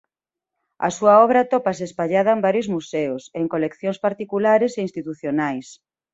A súa obra atópase espallada en varios museos e en coleccións particulares e institucionais.